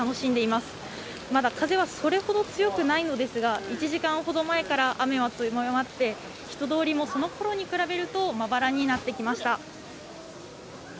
まだ風はそれほど強くないのですが、１時間ほど前から雨は強まって、人通りもそのころに比べるとまばらになってきました。